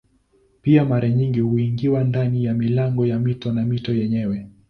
Pia mara nyingi huingia ndani ya milango ya mito na mito yenyewe.